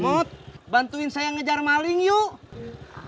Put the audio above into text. mood bantuin saya ngejar maling yuk